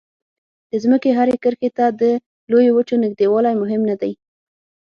د ځمکې هرې کرښې ته د لویو وچو نږدېوالی مهم نه دی.